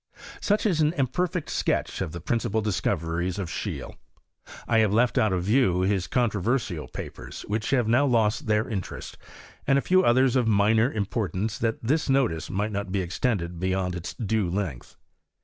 Such is an imperfect sketch of the principal dis coveries of Scheele. I have left out of view his controverstal papers, which have now lost iheir in terest ; and a few others of minor importance, that this notice might not lie extended beyond its due length.